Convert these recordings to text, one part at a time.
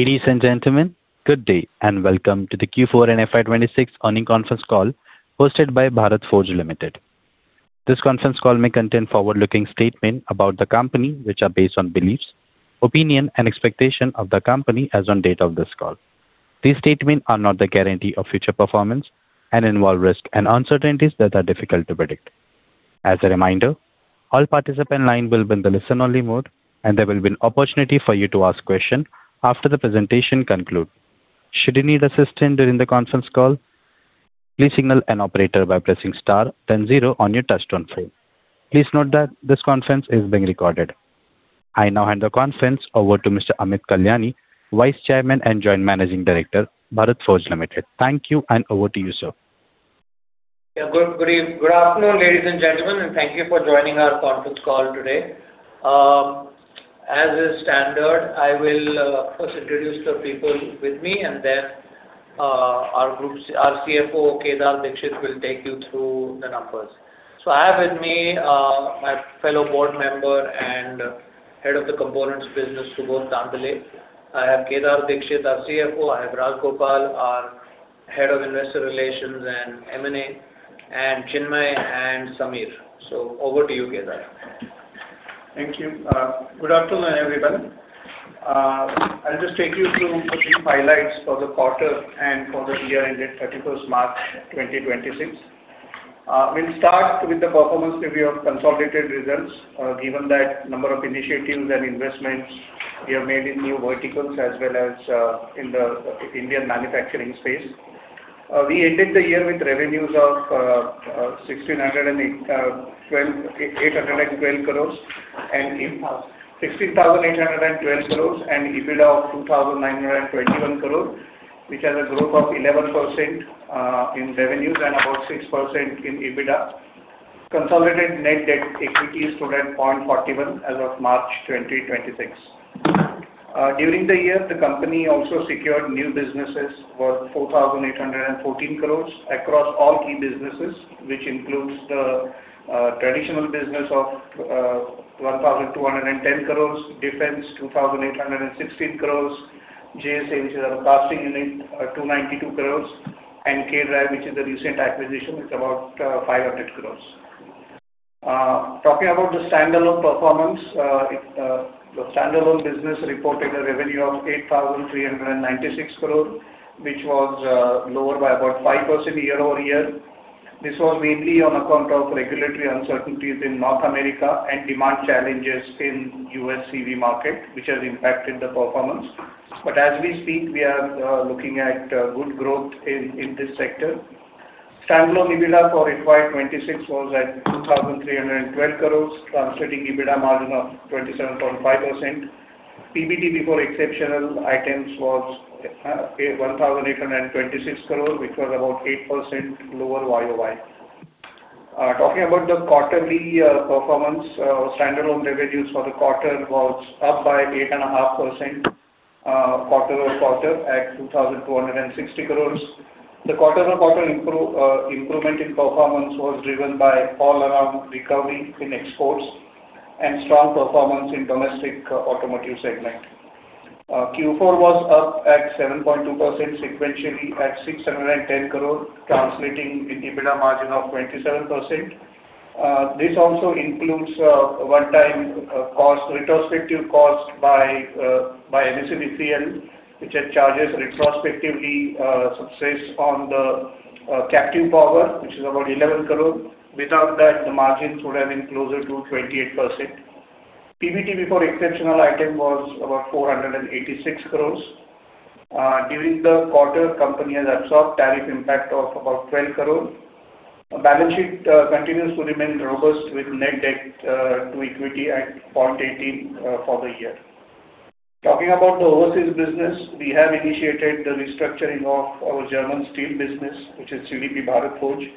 Ladies and gentlemen, good day, and welcome to the Q4 and FY 2026 earning conference call hosted by Bharat Forge Limited. This conference call may contain forward-looking statement about the company, which are based on beliefs, opinion, and expectation of the company as on date of this call. These statement are not the guarantee of future performance and involve risks and uncertainties that are difficult to predict. As a reminder, all participant line will be in the listen-only mode, and there will be an opportunity for you to ask question after the presentation conclude. Should you need assistance during the conference call, please signal an operator by pressing star then zero on your touchtone phone. Please note that this conference is being recorded. I now hand the conference over to Mr. Amit Kalyani, Vice Chairman and Joint Managing Director, Bharat Forge Limited. Thank you, over to you, sir. Yeah. Good afternoon, ladies and gentlemen, and thank you for joining our conference call today. As is standard, I will first introduce the people with me and then our Group CFO, Kedar Dixit, will take you through the numbers. I have with me my fellow Board Member and Head of the Components Business, Subodh Tandale. I have Kedar Dixit, our CFO. I have Rajhagopalan our Head of Investor Relations and M&A, and Chinmay and Samir. Over to you, Kedar. Thank you. Good afternoon, everyone. I'll just take you through a few highlights for the quarter and for the year ended 31st March 2026. We'll start with the performance review of consolidated results, given that number of initiatives and investments we have made in new verticals as well as, in the Indian manufacturing space. We ended the year with revenues of 812 crores. Thousand. 16,812 crores and EBITDA of 2,921 crore, which has a growth of 11% in revenues and about 6% in EBITDA. Consolidated net debt equity stood at 0.41 as of March 2026. During the year, the company also secured new businesses worth 4,814 crore across all key businesses, which includes the traditional business of 1,210 crore, Defense, 2,816 crore, JSA, which is our casting unit, 292 crore, and K-Drive, which is a recent acquisition. It's about 500 crore. Talking about the standalone performance, the standalone business reported a revenue of 8,396 crore, which was lower by about 5% year-over-year. This was mainly on account of regulatory uncertainties in North America and demand challenges in U.S. CV market, which has impacted the performance. As we speak, we are looking at good growth in this sector. Standalone EBITDA for FY 2026 was at 2,312 crore, translating EBITDA margin of 27.5%. PBT before exceptional items was 1,826 crore, which was about 8% lower YOY. Talking about the quarterly performance, standalone revenues for the quarter was up by 8.5% quarter-over-quarter at 2,260 crore. The quarter-over-quarter improvement in performance was driven by all around recovery in exports and strong performance in domestic automotive segment. Q4 was up at 7.2% sequentially at 610 crore, translating an EBITDA margin of 27%. This also includes one-time cost, retrospective cost by NVVN, which had charges retrospectively, cess on the captive power, which is about 11 crore. Without that, the margins would have been closer to 28%. PBT before exceptional item was about 486 crore. During the quarter, company has absorbed tariff impact of about 12 crore. Balance sheet continues to remain robust with net debt to equity at 0.18 for the year. Talking about the overseas business, we have initiated the restructuring of our German steel business, which is CDP Bharat Forge.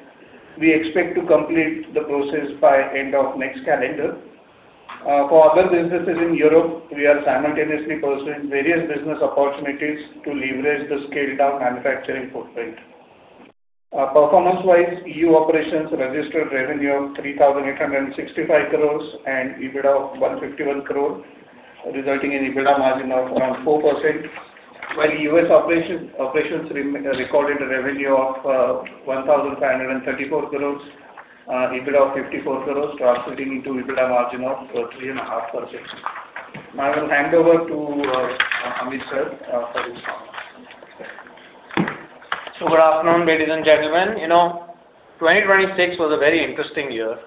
We expect to complete the process by end of next calendar. For other businesses in Europe, we are simultaneously pursuing various business opportunities to leverage the scaled down manufacturing footprint. Performance-wise, EU operations registered revenue of 3,865 crores and EBITDA of 151 crore, resulting in EBITDA margin of around 4%. While U.S. operations recorded a revenue of 1,534 crores, EBITDA of 54 crores, translating into EBITDA margin of 3.5%. Now I will hand over to Amit sir for his comments. Good afternoon, ladies and gentlemen. You know, 2026 was a very interesting year.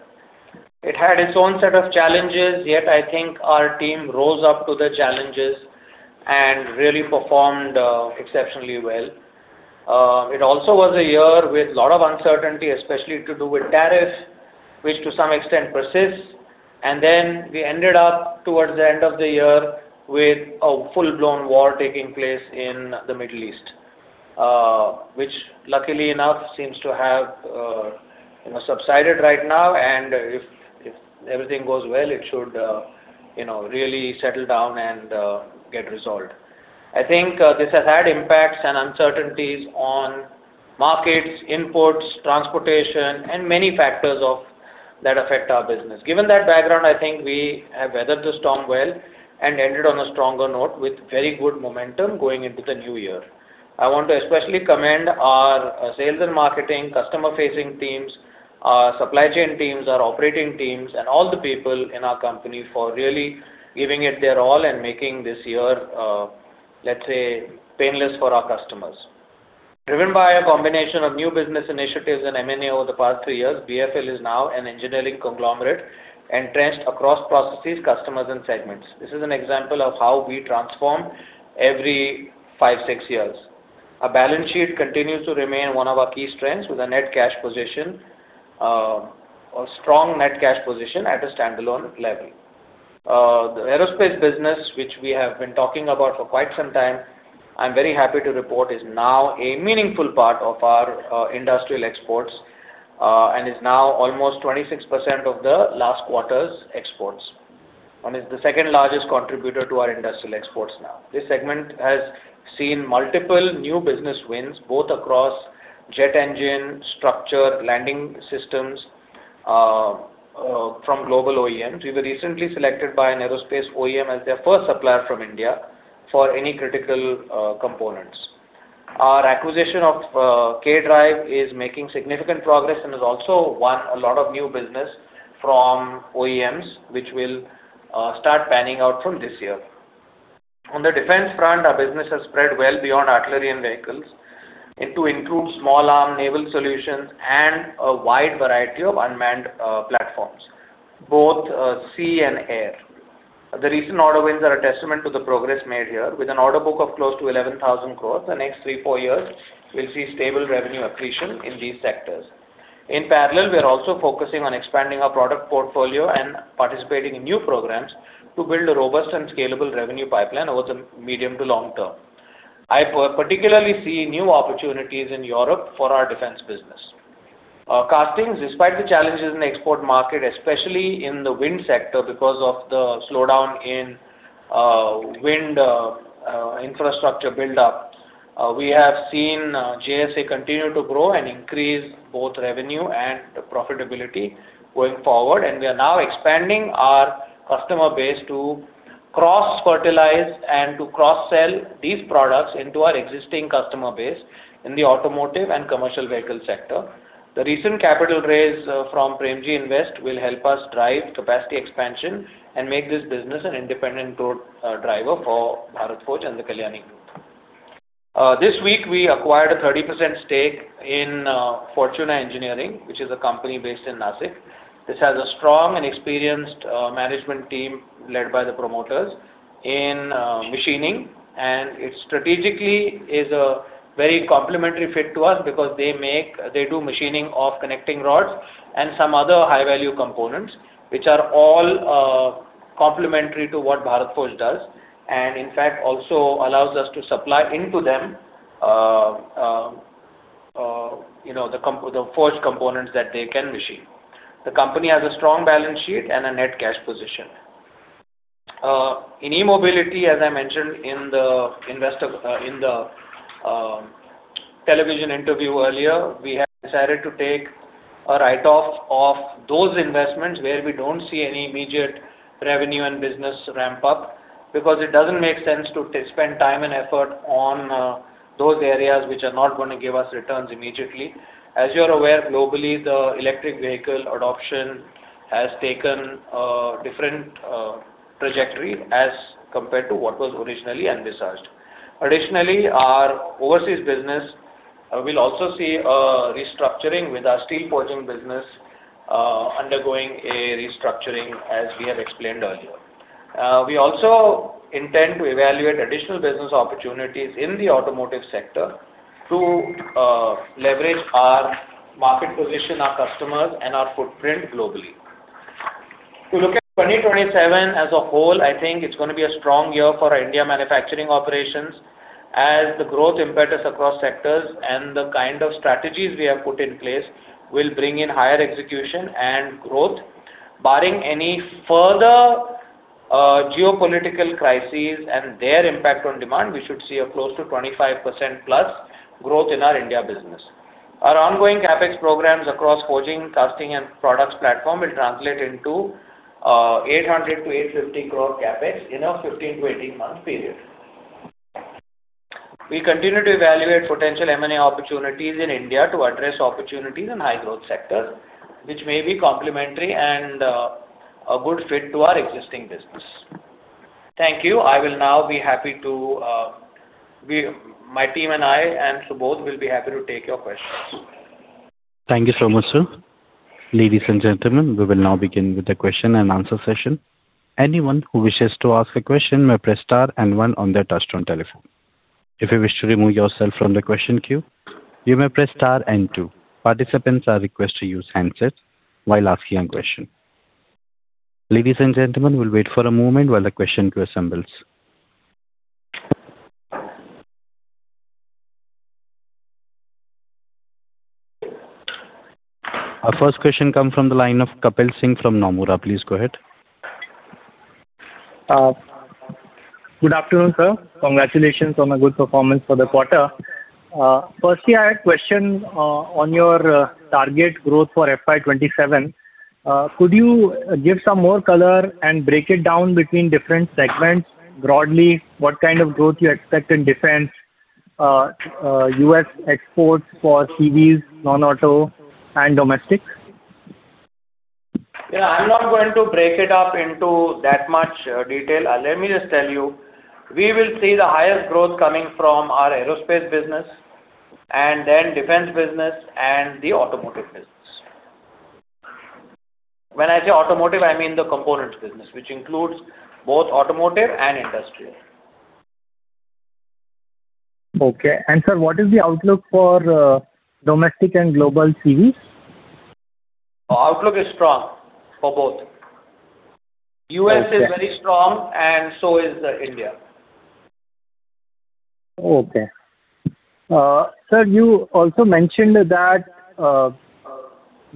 It had its own set of challenges, yet I think our team rose up to the challenges and really performed exceptionally well. It also was a year with a lot of uncertainty, especially to do with tariff, which to some extent persists. We ended up towards the end of the year with a full-blown war taking place in the Middle East, which luckily enough seems to have, you know, subsided right now. If everything goes well, it should, you know, really settle down and get resolved. I think this has had impacts and uncertainties on markets, imports, transportation, and many factors that affect our business. Given that background, I think we have weathered the storm well and ended on a stronger note with very good momentum going into the new year. I want to especially commend our sales and marketing, customer-facing teams, our supply chain teams, our operating teams, and all the people in our company for really giving it their all and making this year, let's say, painless for our customers. Driven by a combination of new business initiatives and M&A over the past three years, BFL is now an engineering conglomerate entrenched across processes, customers, and segments. This is an example of how we transform every five, six years. Our balance sheet continues to remain one of our key strengths, with a net cash position, a strong net cash position at a standalone level. The aerospace business, which we have been talking about for quite some time, I'm very happy to report, is now a meaningful part of our industrial exports, and is now almost 26% of the last quarter's exports and is the second-largest contributor to our industrial exports now. This segment has seen multiple new business wins, both across jet engine, structure, landing systems, from global OEMs. We were recently selected by an aerospace OEM as their first supplier from India for any critical components. Our acquisition of K Drive is making significant progress and has also won a lot of new business from OEMs, which will start panning out from this year. On the defense front, our business has spread well beyond artillery and vehicles and to include small arm naval solutions and a wide variety of unmanned platforms, both sea and air. The recent order wins are a testament to the progress made here. With an order book of close to 11,000 crores, the next three, four years will see stable revenue accretion in these sectors. In parallel, we are also focusing on expanding our product portfolio and participating in new programs to build a robust and scalable revenue pipeline over the medium to long term. I particularly see new opportunities in Europe for our defense business. Our castings, despite the challenges in the export market, especially in the wind sector because of the slowdown in wind infrastructure buildup, we have seen JSA continue to grow and increase both revenue and profitability going forward. We are now expanding our customer base to cross-fertilize and to cross-sell these products into our existing customer base in the automotive and commercial vehicle sector. The recent capital raise from Premji Invest will help us drive capacity expansion and make this business an independent growth driver for Bharat Forge and the Kalyani Group. This week, we acquired a 30% stake in Fortuna Engineering, which is a company based in Nashik. This has a strong and experienced management team led by the promoters in machining. It strategically is a very complementary fit to us because they do machining of connecting rods and some other high-value components, which are all complementary to what Bharat Forge does, and in fact, also allows us to supply into them, you know, the forged components that they can machine. The company has a strong balance sheet and a net cash position. In e-mobility, as I mentioned in the television interview earlier, we have decided to take a write-off of those investments where we don't see any immediate revenue and business ramp-up because it doesn't make sense to spend time and effort on those areas which are not gonna give us returns immediately. As you're aware, globally, the electric vehicle adoption has taken a different trajectory as compared to what was originally envisaged. Additionally, our overseas business will also see a restructuring with our steel forging business undergoing a restructuring, as we have explained earlier. We also intend to evaluate additional business opportunities in the automotive sector to leverage our market position, our customers, and our footprint globally. To look at 2027 as a whole, I think it's gonna be a strong year for our India manufacturing operations as the growth impetus across sectors and the kind of strategies we have put in place will bring in higher execution and growth. Barring any further geopolitical crises and their impact on demand, we should see a close to 25%+ growth in our India business. Our ongoing CapEx programs across forging, casting, and products platform will translate into 800 crore-850 crore CapEx in a 15-18-month period. We continue to evaluate potential M&A opportunities in India to address opportunities in high-growth sectors which may be complementary and a good fit to our existing business. Thank you. We, my team and I and Subodh will be happy to take your questions. Thank you so much, sir. Ladies and gentlemen, we will now begin with the question-and-answer session. Anyone who wishes to ask a question may press star and one on their touch-tone telephone. If you wish to remove yourself from the question queue, you may press star and two. Participants are requested to use handsets while asking a question. Ladies and gentlemen, we will wait for a moment while the question queue assembles. Our first question come from the line of Kapil Singh from Nomura. Please go ahead. Good afternoon, sir. Congratulations on a good performance for the quarter. Firstly, I had a question on your target growth for FY 2027. Could you give some more color and break it down between different segments? Broadly, what kind of growth you expect in defense, U.S. exports for CVs, non-auto and domestic? Yeah, I'm not going to break it up into that much detail. Let me just tell you, we will see the highest growth coming from our aerospace business and then defense business and the automotive business. When I say automotive, I mean the components business, which includes both automotive and industrial. Okay. Sir, what is the outlook for domestic and global CVs? Outlook is strong for both. Okay. U.S. is very strong, and so is the India. Okay. sir, you also mentioned that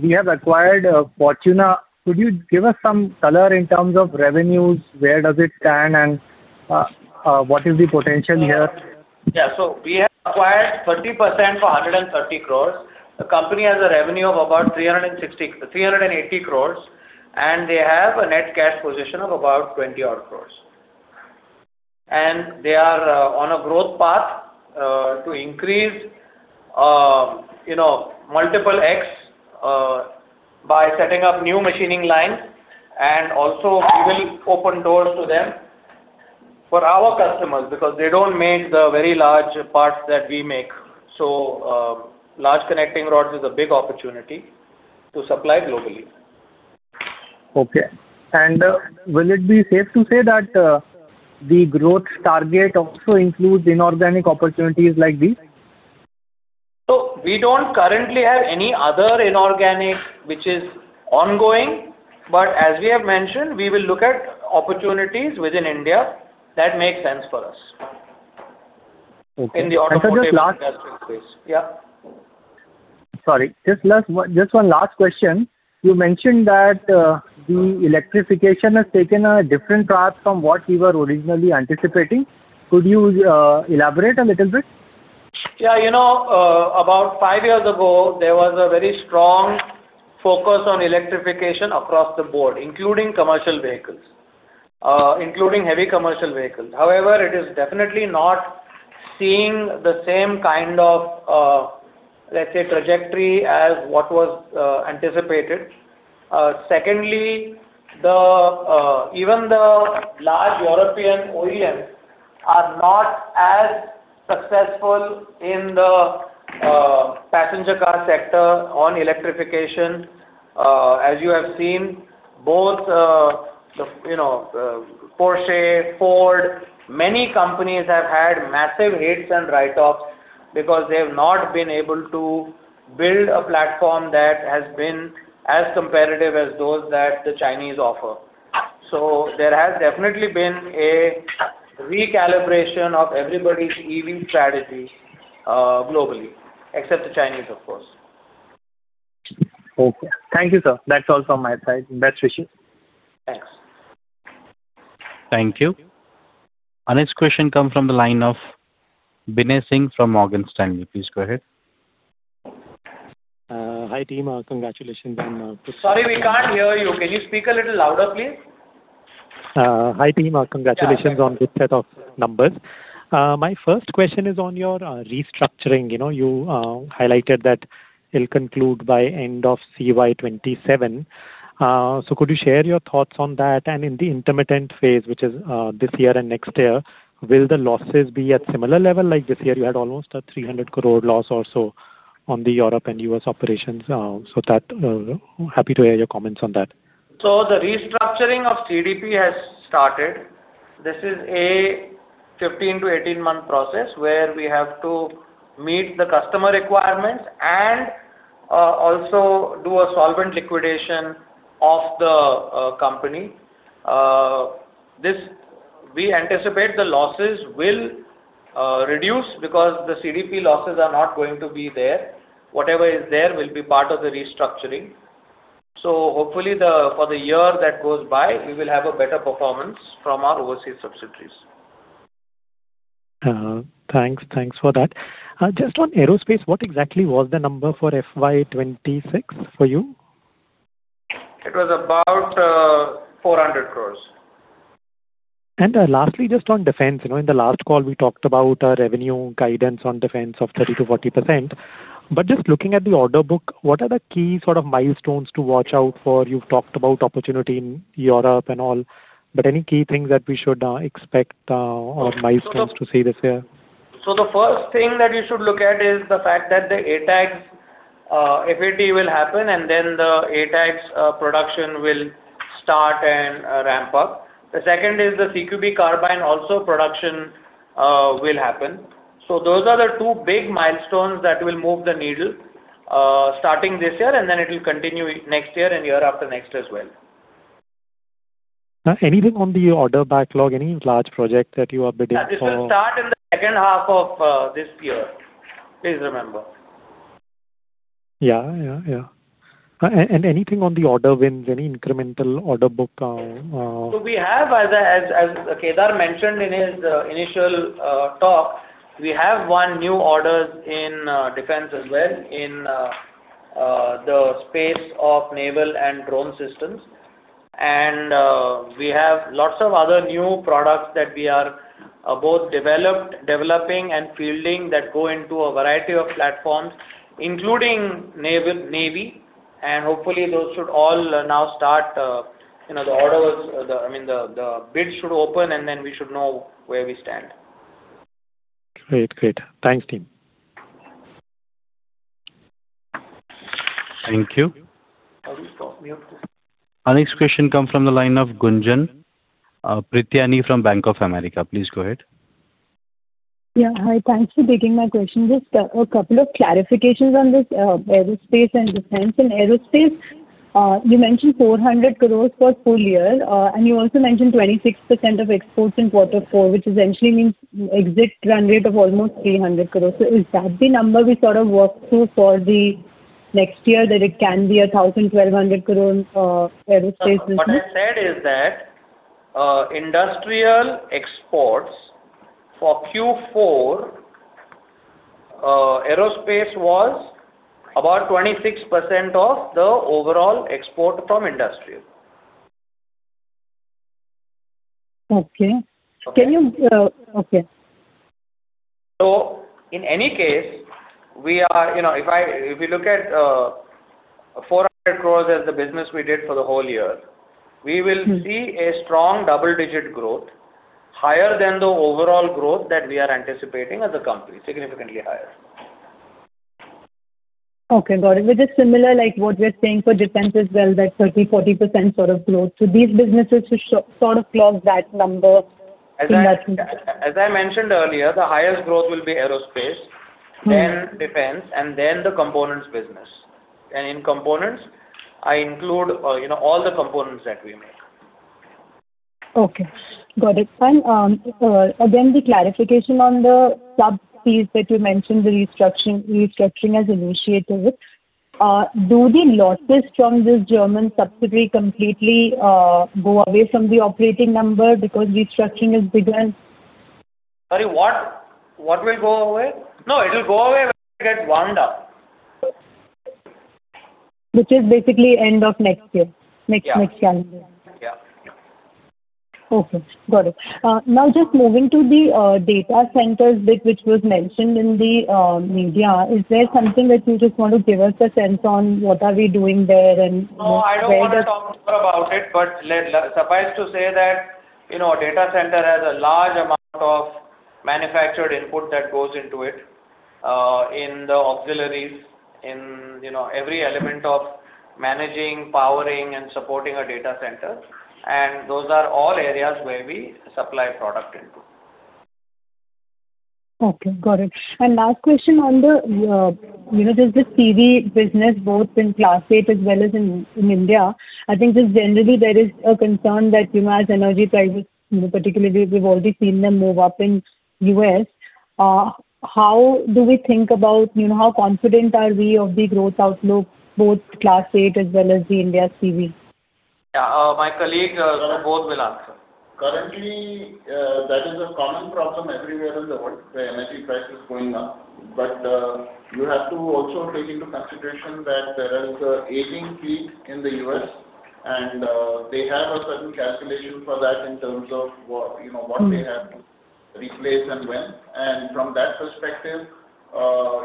we have acquired Fortuna. Could you give us some color in terms of revenues? Where does it stand, and what is the potential here? Yeah. We have acquired 30% for 130 crore. The company has a revenue of about 360 crore-380 crore, and they have a net cash position of about 20 crore. They are on a growth path to increase, you know, multiple x by setting up new machining lines. Also, we will open doors to them for our customers because they don't make the very large parts that we make. Large connecting rods is a big opportunity to supply globally. Okay. Will it be safe to say that the growth target also includes inorganic opportunities like these? We don't currently have any other inorganic which is ongoing, but as we have mentioned, we will look at opportunities within India that make sense for us. Okay. in the automotive industrial space. sir Yeah. Sorry, just one last question. You mentioned that the electrification has taken a different path from what you were originally anticipating. Could you elaborate a little bit? Yeah, you know, about five years ago, there was a very strong focus on electrification across the board, including commercial vehicles, including heavy commercial vehicles. However, it is definitely not seeing the same kind of, let's say, trajectory as what was anticipated. Secondly, the even the large European OEMs are not as successful in the passenger car sector on electrification. As you have seen, both, you know, Porsche, Ford, many companies have had massive hits and write-offs because they have not been able to build a platform that has been as competitive as those that the Chinese offer. There has definitely been a recalibration of everybody's EV strategy, globally, except the Chinese, of course. Okay. Thank you, sir. That's all from my side. Best wishes. Thanks. Thank you. Our next question come from the line of Binay Singh from Morgan Stanley. Please go ahead. Hi, team. Congratulations on. Sorry, we can't hear you. Can you speak a little louder, please? Hi, team. Congratulations- Yeah. -on good set of numbers. My first question is on your restructuring. You know, you highlighted that it'll conclude by end of CY 2027. Could you share your thoughts on that? In the intermittent phase, which is this year and next year, will the losses be at similar level like this year you had almost a 300 crore loss or so on the Europe and U.S. operations? That, happy to hear your comments on that. The restructuring of CDP has started. This is a 15-18 month process where we have to meet the customer requirements and also do a solvent liquidation of the company. This, we anticipate the losses will reduce because the CDP losses are not going to be there. Whatever is there will be part of the restructuring. Hopefully the, for the year that goes by, we will have a better performance from our overseas subsidiaries. Thanks. Thanks for that. Just on aerospace, what exactly was the number for FY 2026 for you? It was about 400 crores. Lastly, just on defense. You know, in the last call, we talked about a revenue guidance on defense of 30%-40%. Just looking at the order book, what are the key sort of milestones to watch out for? You've talked about opportunity in Europe and all, any key things that we should expect or milestones to see this year? The first thing that you should look at is the fact that the ATAGS FAT will happen, and then the ATAGS production will start and ramp up. The second is the CQB carbine also production will happen. Those are the two big milestones that will move the needle starting this year, and then it will continue next year and year after next as well. Anything on the order backlog? Any large project that you are bidding for? This will start in the second half of this year. Please remember. Yeah. Anything on the order wins, any incremental order book? We have as Kedar mentioned in his initial talk, we have won new orders in defense as well in the space of naval and drone systems. We have lots of other new products that we are both developed, developing and fielding that go into a variety of platforms, including navy. Hopefully those should all now start, you know, the orders, the bids should open, and then we should know where we stand. Great. Great. Thanks, team. Thank you. Are we stopped here? Our next question come from the line of Gunjan Prithyani from Bank of America. Please go ahead. Yeah. Hi. Thanks for taking my question. Just a couple of clarifications on this aerospace and defense. In aerospace, you mentioned 400 crore for full year, and you also mentioned 26% of exports in quarter four, which essentially means exit run rate of almost 300 crore. Is that the number we sort of work to for the next year, that it can be a 1,000-1,200 crore aerospace business? What I said is that industrial exports for Q4, aerospace was about 26% of the overall export from industrial. Okay. Okay. Can you, Okay. In any case, we are, you know, if we look at, 400 crores as the business we did for the whole year. We will see a strong double-digit growth higher than the overall growth that we are anticipating as a company, significantly higher. Okay, got it, which is similar like what we're saying for defense as well, that 30%, 40% sort of growth. These businesses sort of clock that number in that. As I mentioned earlier, the highest growth will be aerospace- Defense, then the components business. In components I include, you know, all the components that we make. Okay. Got it. Again, the clarification on the sub piece that you mentioned, the restructuring has initiated. Do the losses from this German subsidiary completely go away from the operating number because restructuring is bigger? Sorry, what? What will go away? No, it'll go away when it gets wound up. Which is basically end of next year. Yeah. Next calendar year. Yeah. Yeah. Okay. Got it. Now just moving to the data centers bit which was mentioned in the media. Is there something that you just want to give us a sense on what are we doing there and where? No, I don't wanna talk more about it, but let suffice to say that, you know, a data center has a large amount of manufactured input that goes into it, in the auxiliaries, in, you know, every element of managing, powering and supporting a data center. Those are all areas where we supply product into. Okay. Got it. Last question on the, you know, just the CV business both in Class eight as well as in India. I think just generally there is a concern that, you know, as energy prices, you know, particularly we've already seen them move up in U.S. How do we think about, you know, how confident are we of the growth outlook, both Class 8 as well as the India CV? Yeah. My colleague, Subodh will answer. Currently, that is a common problem everywhere in the world, the energy price is going up. You have to also take into consideration that there is a aging fleet in the U.S. and, they have a certain calculation for that in terms of what. -what they have to replace and when. From that perspective,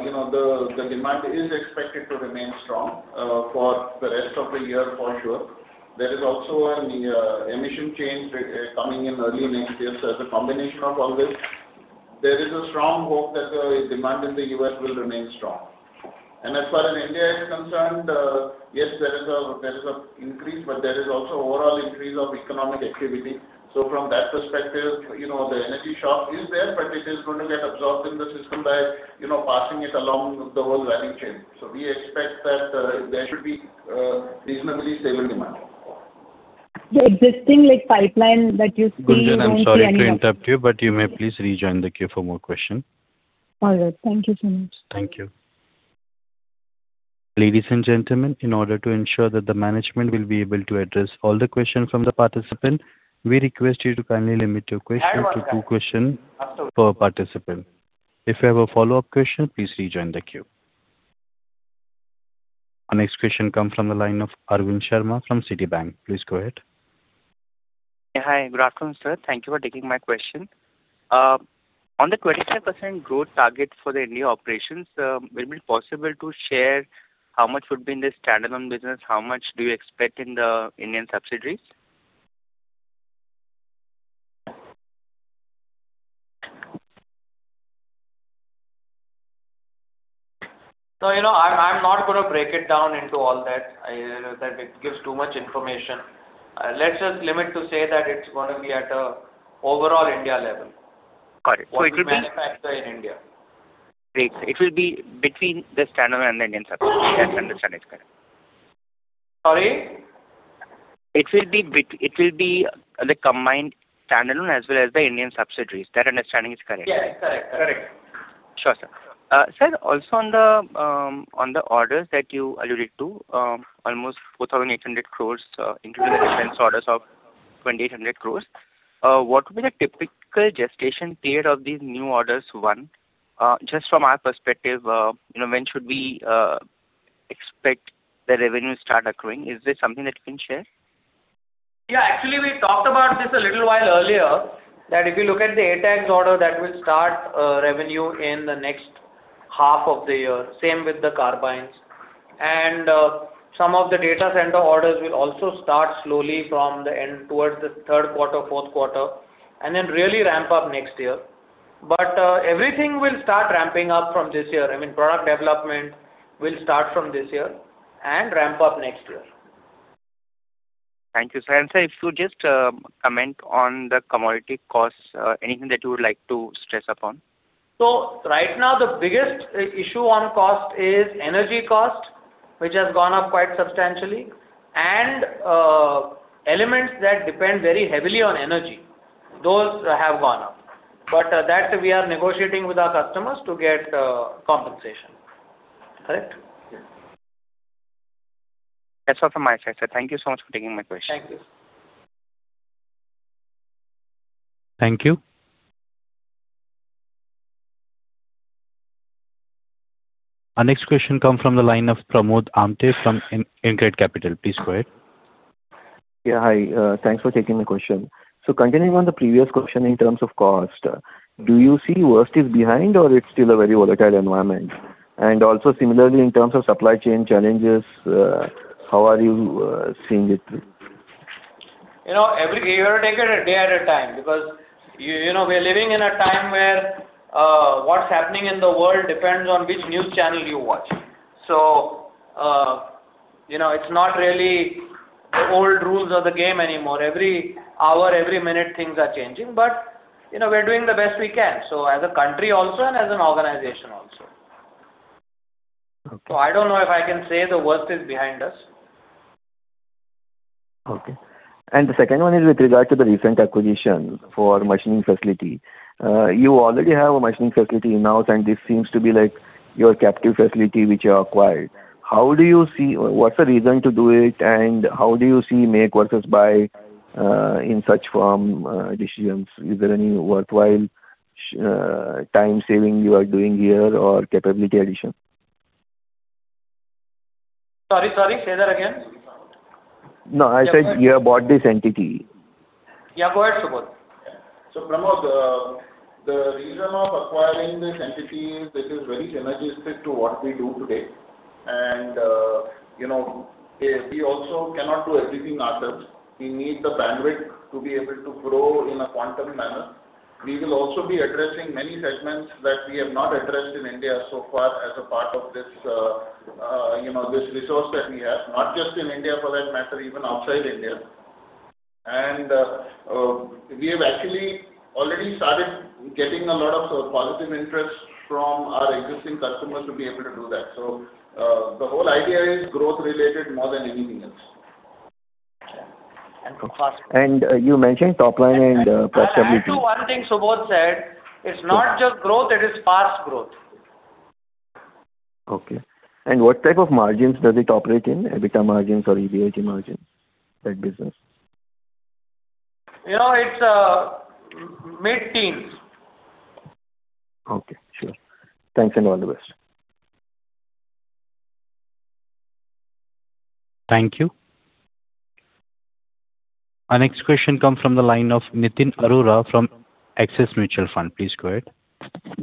you know, the demand is expected to remain strong for the rest of the year for sure. There is also an emission change coming in early next year. As a combination of all this, there is a strong hope that the demand in the U.S. will remain strong. As far as India is concerned, yes, there is a, there is a increase, but there is also overall increase of economic activity. From that perspective, you know, the energy shock is there, but it is going to get absorbed in the system by, you know, passing it along the whole value chain. We expect that there should be reasonably stable demand. The existing, like, pipeline that you see. Gunjan, I'm sorry to interrupt you, but you may please rejoin the queue for more question. All right. Thank you so much. Thank you. Ladies and gentlemen, in order to ensure that the management will be able to address all the question from the participant, we request you to kindly limit your question to two question per participant. If you have a follow-up question, please rejoin the queue. Our next question come from the line of Arvind Sharma from Citibank. Please go ahead. Yeah. Hi. Good afternoon, sir. Thank you for taking my question. On the 25% growth target for the India operations, will it be possible to share how much would be in the standalone business? How much do you expect in the Indian subsidiaries? No, you know, I'm not gonna break it down into all that. That, it gives too much information. Let's just limit to say that it's gonna be at a overall India level. Got it. What we manufacture in India. Great. It will be between the standalone and the Indian subsidiary. I understand it correct. Sorry? It will be the combined standalone as well as the Indian subsidiaries. That understanding is correct? Yeah, correct. Correct. Sure, sir. Sir, also on the orders that you alluded to, almost 4,800 crores, into the defense orders of 2,800 crores, what would be the typical gestation period of these new orders won? Just from our perspective, you know, when should we expect the revenue start accruing? Is this something that you can share? Yeah, actually, we talked about this a little while earlier, that if you look at the ATAGS order, that will start revenue in the next half of the year. Same with the carbines. Some of the data center orders will also start slowly from the end towards the third quarter, fourth quarter, and then really ramp up next year. Everything will start ramping up from this year. I mean, product development will start from this year and ramp up next year. Thank you, sir. Sir, if you just comment on the commodity costs, anything that you would like to stress upon? Right now, the biggest issue on cost is energy cost, which has gone up quite substantially, and elements that depend very heavily on energy, those have gone up. That we are negotiating with our customers to get compensation. Correct? Yes. That's all from my side, sir. Thank you so much for taking my question. Thank you. Thank you. Our next question comes from the line of Pramod Amthe from InCred Capital. Please go ahead. Yeah. Hi, thanks for taking my question. Continuing on the previous question in terms of cost, do you see worst is behind or it's still a very volatile environment? Also similarly, in terms of supply chain challenges, how are you seeing it? You know, you gotta take it a day at a time because you know, we are living in a time where what's happening in the world depends on which news channel you watch. You know, it's not really the old rules of the game anymore. Every hour, every minute, things are changing. You know, we are doing the best we can. As a country also and as an organization also. Okay. I don't know if I can say the worst is behind us. Okay. The second one is with regard to the recent acquisition for machining facility. You already have a machining facility in-house, and this seems to be like your captive facility which you acquired. What's the reason to do it, and how do you see make versus buy in such form decisions? Is there any worthwhile time saving you are doing here or capability addition? Sorry, sorry. Say that again. No, I said you have bought this entity. Yeah, go ahead, Subodh. Pramod, the reason of acquiring this entity is this is very synergistic to what we do today. And, you know, we also cannot do everything ourselves. We need the bandwidth to be able to grow in a quantum manner. We will also be addressing many segments that we have not addressed in India so far as a part of this, you know, this resource that we have, not just in India for that matter, even outside India. And, we have actually already started getting a lot of positive interest from our existing customers to be able to do that. The whole idea is growth related more than anything else. And for fast- You mentioned top line and profitability. I'll add to one thing Subodh said. It's not just growth, it is fast growth. Okay. What type of margins does it operate in? EBITDA margins or EBIT margins, that business? You know, it's mid-teens. Okay. Sure. Thanks and all the best. Thank you. Our next question comes from the line of Nitin Arora from Axis Mutual Fund. Please go ahead.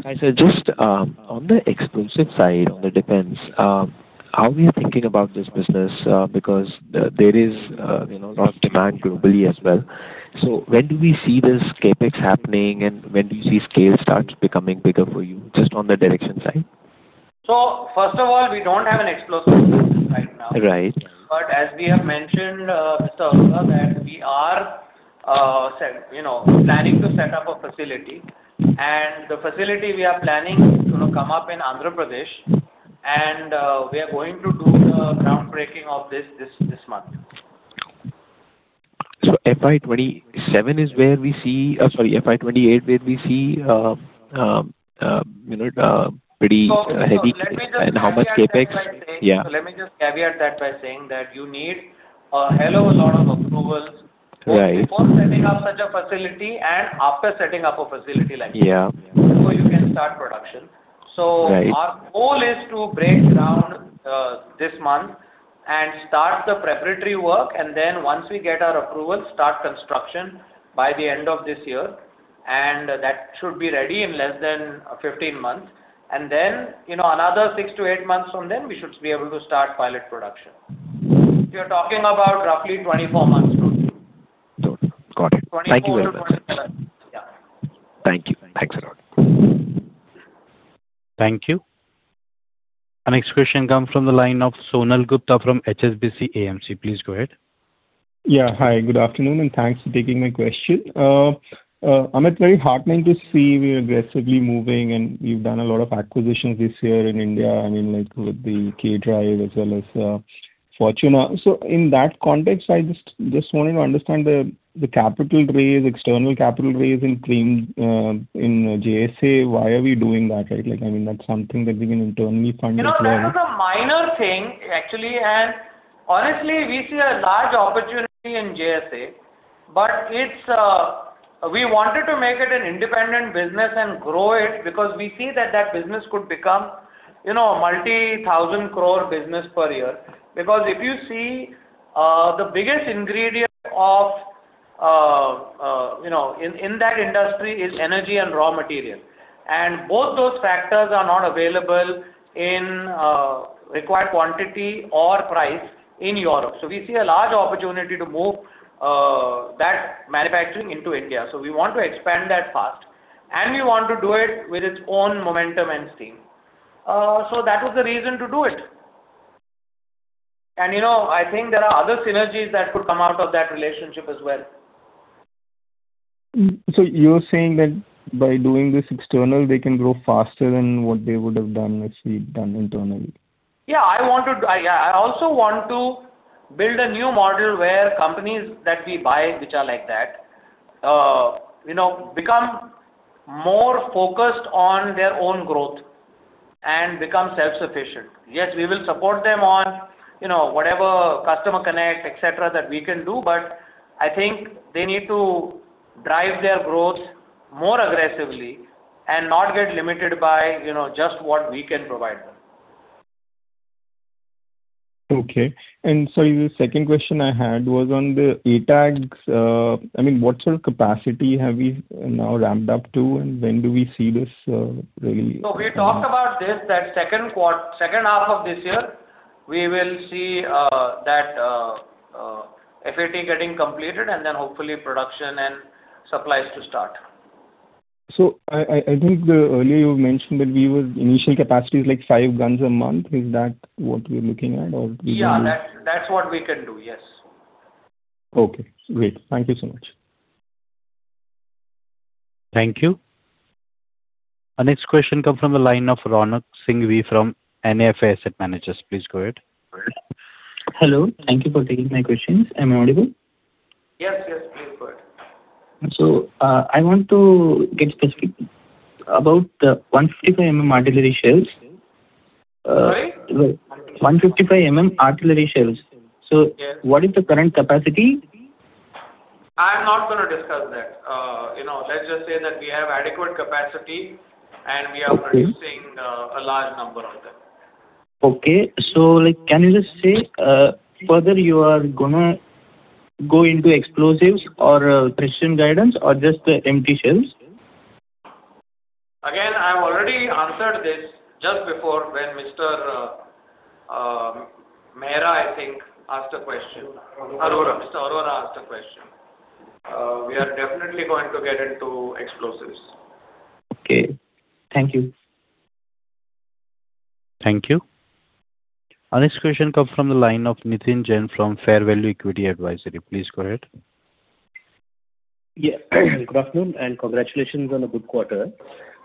Hi, sir. Just on the explosive side, on the defense, how are we thinking about this business? Because there is, you know, lot of demand globally as well. When do we see this CapEx happening, and when do you see scale start becoming bigger for you? Just on the direction side. First of all, we don't have an explosive business right now. Right. As we have mentioned, Mr. Arora, that we are planning to set up a facility. The facility we are planning to come up in Andhra Pradesh, and we are going to do the groundbreaking of this month. FY 2027 is where we see, sorry, FY 2028 where we see, you know. Let me just caveat that by. How much CapEx? Yeah. Let me just caveat that by saying that you need a hell of a lot of approvals. Right both before setting up such a facility and after setting up a facility like this. Yeah before you can start production. Right. Our goal is to break ground this month and start the preparatory work, and then once we get our approval, start construction by the end of this year. That should be ready in less than 15 months. Then, you know, another six to eight months from then, we should be able to start pilot production. We are talking about roughly 24 months total. Total. Got it. 2024-2027. Thank you very much, sir. Yeah. Thank you. Thanks a lot. Thank you. Our next question comes from the line of Sonal Gupta from HSBC AMC. Please go ahead. Hi, good afternoon, and thanks for taking my question. Amit, very heartening to see we are aggressively moving, and you've done a lot of acquisitions this year in India, I mean, like with the K Drive as well as Fortuna. In that context, I just wanted to understand the capital raise, external capital raise in JSA. Why are we doing that, right? Like, I mean, that's something that we can internally fund as well. No, that was a minor thing, actually. Honestly, we see a large opportunity in JSA, but it's We wanted to make it an independent business and grow it because we see that that business could become, you know, a multi-thousand crore business per year. If you see, the biggest ingredient of, you know, in that industry is energy and raw material. Both those factors are not available in required quantity or price in Europe. We see a large opportunity to move that manufacturing into India, so we want to expand that fast. We want to do it with its own momentum and steam. That was the reason to do it. You know, I think there are other synergies that could come out of that relationship as well. You're saying that by doing this external, they can grow faster than what they would have done if we'd done internally? I also want to build a new model where companies that we buy, which are like that, you know, become more focused on their own growth and become self-sufficient. Yes, we will support them on, you know, whatever customer connect, et cetera, that we can do. I think they need to drive their growth more aggressively and not get limited by, you know, just what we can provide them. Okay. Sorry, the second question I had was on the ATAGS. I mean, what sort of capacity have we now ramped up to, and when do we see this? We talked about this, that second half of this year, we will see that FAT getting completed and then hopefully production and supplies to start. I think, earlier you mentioned that we were initial capacity is like five guns a month. Is that what we are looking at? Yeah, that's what we can do. Yes. Okay, great. Thank you so much. Thank you. Our next question comes from the line of Ronak Singhvi from NAFA Asset Managers. Please go ahead. Hello. Thank you for taking my questions. Am I audible? Yes, yes, please go ahead. I want to get specific about the 155 mm artillery shells. Sorry? 155 mm artillery shells. Yes. What is the current capacity? I'm not gonna discuss that. You know, let's just say that we have adequate capacity. Okay. -producing, a large number of them. Okay. like, can you just say whether you are gonna go into explosives or precision guidance or just the empty shells? I've already answered this just before when Mr. Mehra, I think, asked a question. Arora. Arora. Mr. Arora asked a question. We are definitely going to get into explosives. Okay. Thank you. Thank you. Our next question comes from the line of Nitin Jain from Fairvalue Equity Advisory. Please go ahead. Yeah. Good afternoon, congratulations on a good quarter.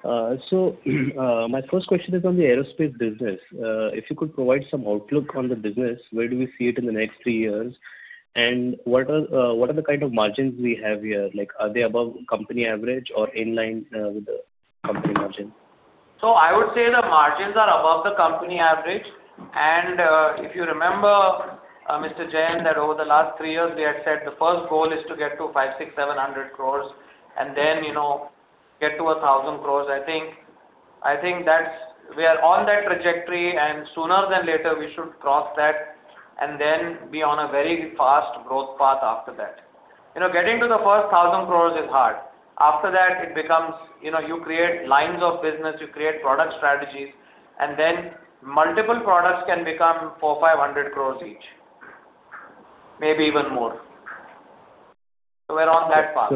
My first question is on the aerospace business. If you could provide some outlook on the business, where do we see it in the next three years? What are the kind of margins we have here? Like, are they above company average or in line with the company margin? I would say the margins are above the company average. If you remember, Mr. Jain, that over the last three years, we had said the first goal is to get to 500 crore, 600 crore, 700 crore and then, you know, get to 1,000 crore. I think we are on that trajectory, and sooner than later, we should cross that and then be on a very fast growth path after that. You know, getting to the first 1,000 crore is hard. After that, it becomes, you know, you create lines of business, you create product strategies, and then multiple products can become 400 crore, 500 crore each. Maybe even more. We're on that path.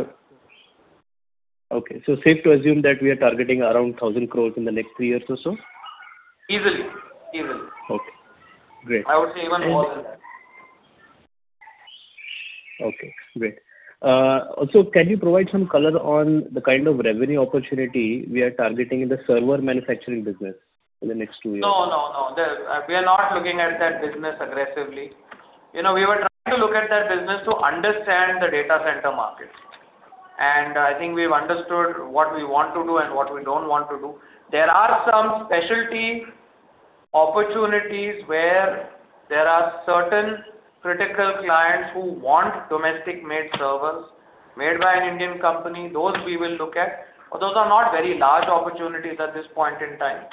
Okay. Safe to assume that we are targeting around 1,000 crores in the next three years or so? Easily. Easily. Okay, great. I would say even more than that. Okay, great. Can you provide some color on the kind of revenue opportunity we are targeting in the server manufacturing business in the next two years? No, no. The, we are not looking at that business aggressively. You know, we were trying to look at that business to understand the data center market. I think we've understood what we want to do and what we don't want to do. There are some specialty opportunities where there are certain critical clients who want domestic-made servers made by an Indian company. Those we will look at. Those are not very large opportunities at this point in time.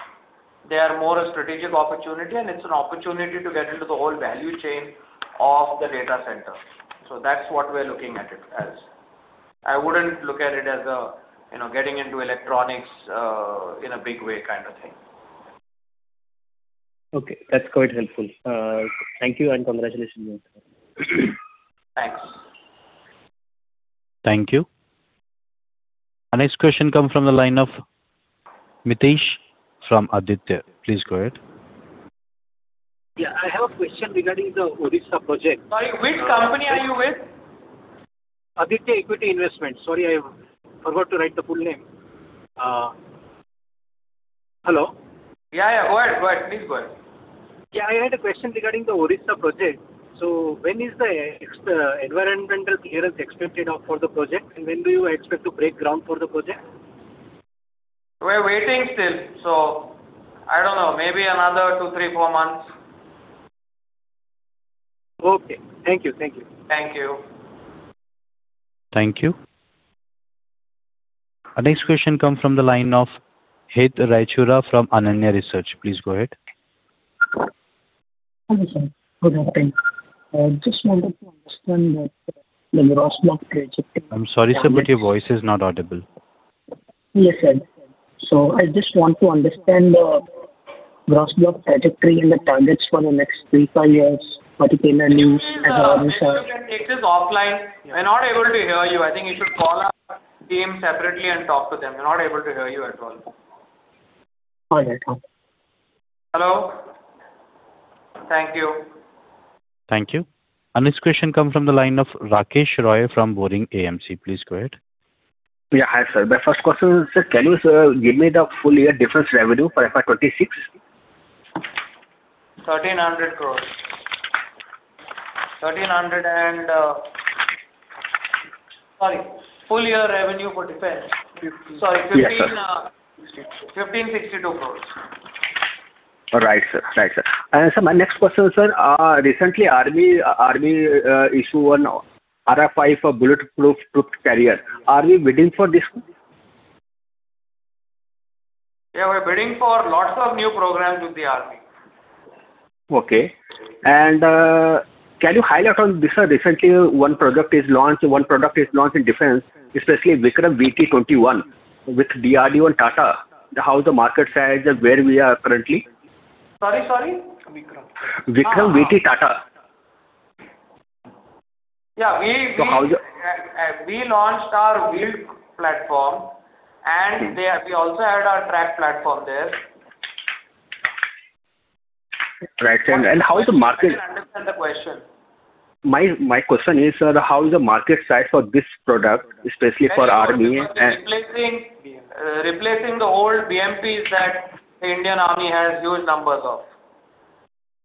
They are more a strategic opportunity, and it's an opportunity to get into the whole value chain of the data center. That's what we're looking at it as. I wouldn't look at it as a, you know, getting into electronics in a big way kind of thing. Okay, that's quite helpful. Thank you and congratulations once again. Thanks. Thank you. Our next question come from the line of Mitesh from Aditya. Please go ahead. Yeah, I have a question regarding the Odisha project. Sorry, which company are you with? Aditya Equity Investment. Sorry, I forgot to write the full name. Hello? Yeah. Go ahead. Please go ahead. Yeah, I had a question regarding the Odisha project. When is the environmental clearance expected for the project, and when do you expect to break ground for the project? We're waiting still. I don't know, maybe another 2, 3, 4 months. Okay. Thank you. Thank you. Thank you. Thank you. Our next question comes from the line of Het Raichura from Ananya Research. Please go ahead. Hello, sir. Good afternoon. I just wanted to understand that the gross block trajectory- I'm sorry, sir, but your voice is not audible. Yes, sir. I just want to understand the gross block trajectory and the targets for the next three, five years. Het, if you can take this offline. We're not able to hear you. I think you should call our team separately and talk to them. We're not able to hear you at all. All right, sir. Hello? Thank you. Thank you. Our next question come from the line of Rakesh Roy from Boring AMC. Please go ahead. Yeah. Hi, sir. My first question, sir, can you, sir, give me the full year defense revenue for FY 2026? INR 1,300 crore. INR 1,300 and Sorry, full year revenue for defense. 15. Sorry, 15. 62. INR 1,562 crores. All right, sir. Right, sir. Sir, my next question, sir, recently Army issue one RFI for bulletproof troop carrier. Are we bidding for this one? Yeah, we're bidding for lots of new programs with the Army. Okay. Can you highlight on this, sir? Recently one product is launched in defense, especially Vikram VT21 with DRDO and Tata. How is the market size and where we are currently? Sorry. Vikram. Vikram VT Tata. Yeah, we. So how's the- We launched our wheeled platform and we also have our tracked platform there. Right. How is the market- I didn't understand the question. My question is, sir, how is the market size for this product, especially for army? That is for the product replacing the old BMPs that the Indian Army has huge numbers of.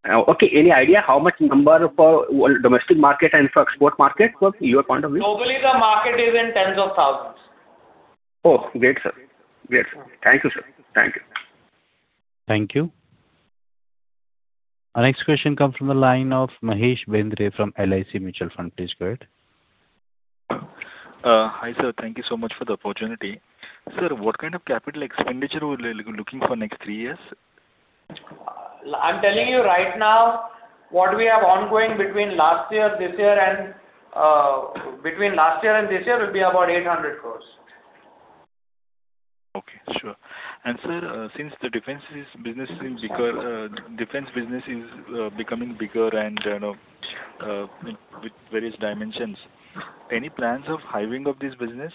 Okay. Any idea how much number for domestic market and for export market for your point of view? Globally, the market is in tens of thousands. Oh, great, sir. Great. Thank you, sir. Thank you. Thank you. Our next question comes from the line of Mahesh Bindra from LIC Mutual Fund. Please go ahead. Hi, sir. Thank you so much for the opportunity. Sir, what kind of CapEx we're looking for next three years? I'm telling you right now what we have ongoing between last year, this year and between last year and this year will be about 800 crores. Okay. Sure. Sir, since the defense business is becoming bigger and, you know, with various dimensions, any plans of hiving of this business?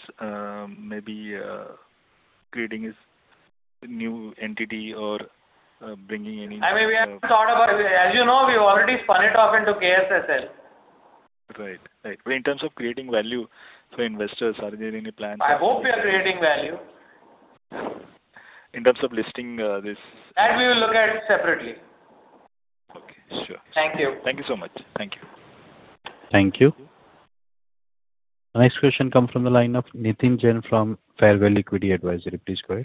Maybe creating this new entity. I mean, we haven't thought about it. As you know, we already spun it off into KSSL. Right. Right. In terms of creating value for investors, are there any plans? I hope we are creating value. In terms of listing, this. That we will look at separately. Okay. Sure. Thank you. Thank you so much. Thank you. Thank you. Our next question come from the line of Nitin Jain from Fairvalue Equity Advisory. Please go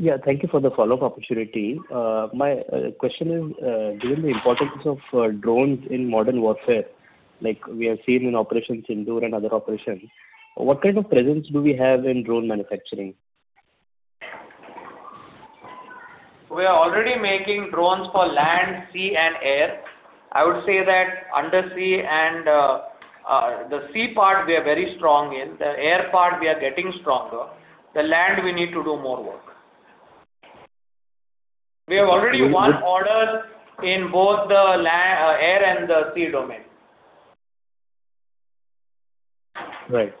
ahead. Thank you for the follow-up opportunity. My question is, given the importance of drones in modern warfare, like we have seen in Operation Sindoor and other operations, what kind of presence do we have in drone manufacturing? We are already making drones for land, sea, and air. I would say that under sea and the sea part we are very strong in. The air part we are getting stronger. The land we need to do more work. We have already one order in both the air and the sea domain. Right.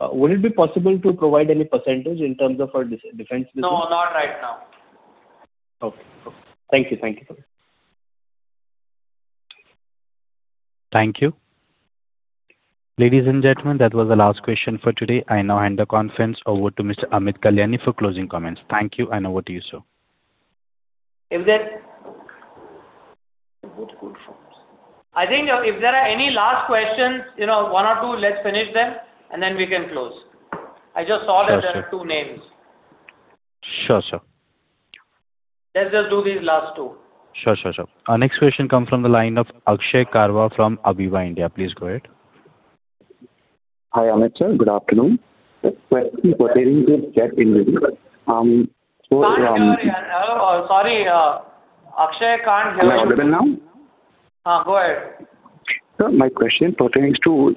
Would it be possible to provide any percentage in terms of defense business? No, not right now. Okay. Thank you. Thank you. Thank you. Ladies and gentlemen, that was the last question for today. I now hand the conference over to Mr. Amit Kalyani for closing comments. Thank you and over to you, sir. If there- Good forms. I think if there are any last questions, you know, one or two, let's finish them and then we can close. I just saw that there are two names. Sure, sir. Let's just do these last two. Sure, sure. Our next question comes from the line of Akshay Karwa from Aviva India. Please go ahead. Hi, Amit sir. Good afternoon. Just pertaining to jet engine. Sorry. Hello? Sorry, Akshay can't hear us. Am I audible now? Go ahead. Sir, my question pertains to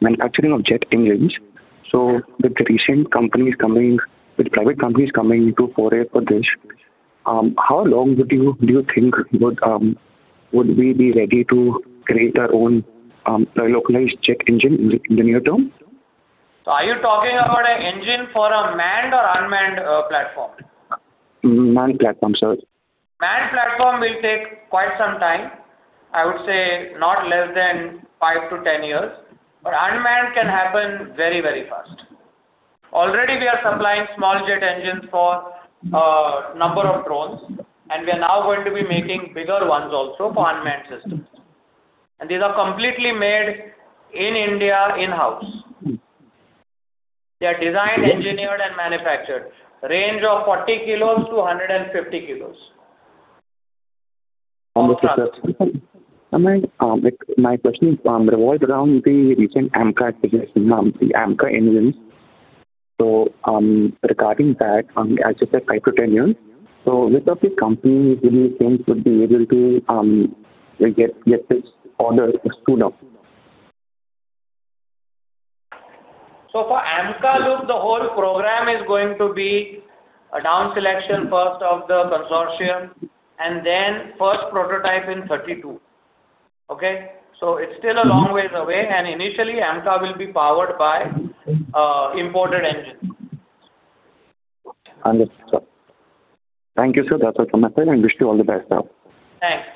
manufacturing of jet engine. With the recent companies coming, with private companies coming to foray for this, how long do you think we would be ready to create our own localized jet engine in the near term? Are you talking about an engine for a manned or unmanned platform? Manned platform, sir. Manned platform will take quite some time. I would say not less than 5-10 years. Unmanned can happen very, very fast. Already we are supplying small jet engines for number of drones, we are now going to be making bigger ones also for unmanned systems. These are completely made in India in-house. They are designed, engineered and manufactured. Range of 40 kg-150 kg. Understood, sir. My question revolves around the recent AMCA suggestion, the AMCA engines. Regarding that, as you said, 5-10 years. Which of your companies do you think would be able to get this order, if it's to come? For AMCA, look, the whole program is going to be a down selection first of the consortium, and then first prototype in 2032. Okay? It's still a long way away. Initially, AMCA will be powered by imported engines. Understood, sir. Thank you, sir. That's all from my side and wish you all the best, sir. Thanks.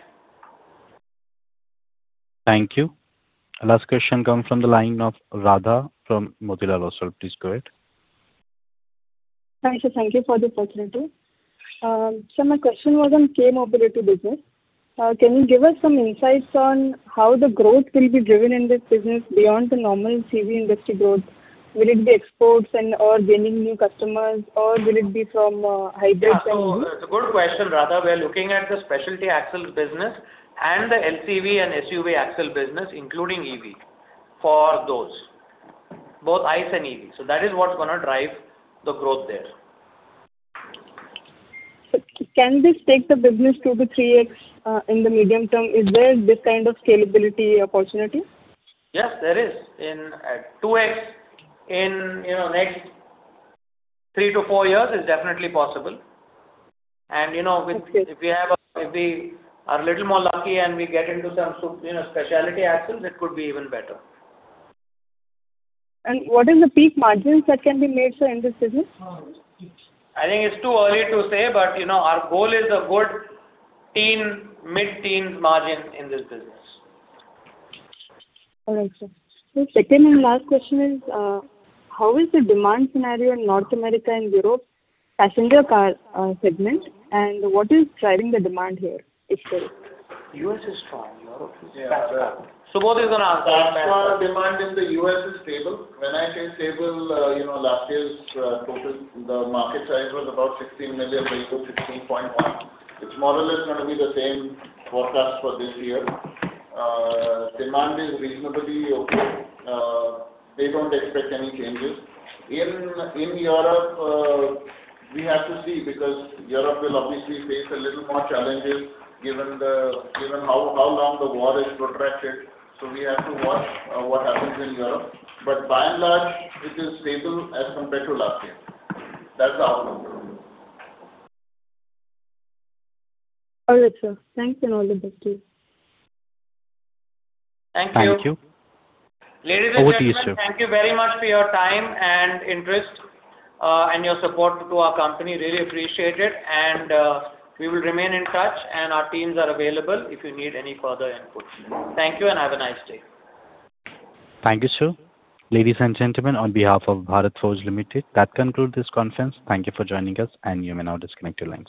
Thank you. Last question comes from the line of Radha from Motilal Oswal. Please go ahead. Hi, sir. Thank you for the opportunity. My question was on K Mobility business. Can you give us some insights on how the growth will be driven in this business beyond the normal CV industry growth? Will it be exports and, or gaining new customers, or will it be from hybrids and EVs? Yeah, it's a good question, Radha. We are looking at the specialty axle business and the LCV and SUV axle business, including EV, for those. Both ICE and EV. That is what's gonna drive the growth there. Can this take the business to the 3x in the medium term? Is there this kind of scalability opportunity? Yes, there is. In, 2x in, you know, next three to four years is definitely possible. You know. Okay. If we are a little more lucky and we get into some you know, specialty axles, it could be even better. What is the peak margins that can be made, sir, in this business? I think it's too early to say, but, you know, our goal is a good teen, mid-teens margin in this business. All right, sir. Second and last question is, how is the demand scenario in North America and Europe passenger car segment, and what is driving the demand here, if so? U.S. is strong, Europe is better. Yeah. Subodh is gonna answer that now. Our demand in the U.S. is stable. When I say stable, you know, last year's total, the market size was about 16 million vehicles, 16.1. It's more or less gonna be the same forecast for this year. Demand is reasonably okay. They don't expect any changes. In Europe, we have to see because Europe will obviously face a little more challenges given the, given how long the war is protracted. We have to watch what happens in Europe. By and large, it is stable as compared to last year. That's the outlook. All right, sir. Thanks and all the best to you. Thank you. Thank you. Ladies and gentlemen. Over to you, sir. Thank you very much for your time and interest, and your support to our company. Really appreciate it. We will remain in touch, and our teams are available if you need any further inputs. Thank you, and have a nice day. Thank you, sir. Ladies and gentlemen, on behalf of Bharat Forge Limited, that concludes this conference. Thank you for joining us, and you may now disconnect your lines.